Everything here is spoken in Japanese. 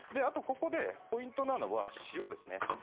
あとここでポイントなのは塩ですね。